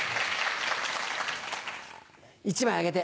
１枚あげて。